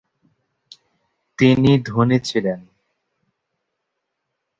তিনি ধনী ছিলেন।